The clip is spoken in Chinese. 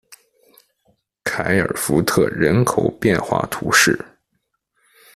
凯尔福特人口变化图示